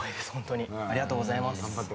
ありがとうございます。